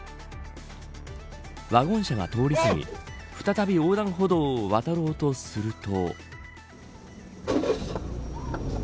ワゴン車が通り過ぎ再び横断歩道を渡ろうとすると。